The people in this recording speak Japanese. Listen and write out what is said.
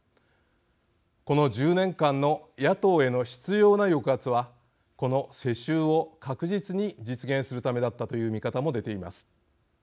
この１０年間の野党への執ような抑圧はこの世襲を確実に実現するためだったという見方も出ています。